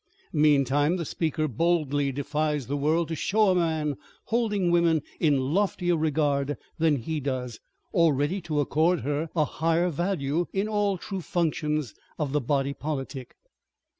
Meantime the speaker boldly defies the world to show a man holding woman in loftier regard than he does, or ready to accord her a higher value in all true functions of the body politic.